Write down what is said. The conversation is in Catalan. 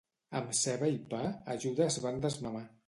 Amb ceba i pa, a Judes van desmamar.